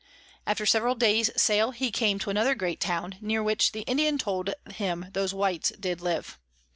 After several days sail, he came to another great Town, near which the Indian told him those Whites did live.